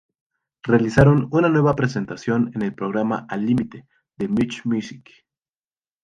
Realizaron una nueva presentación en el programa "Al Limite" de Much Music.